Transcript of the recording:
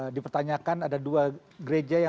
dipertanyakan ada dua gereja yang